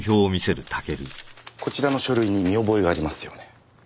こちらの書類に見覚えがありますよね？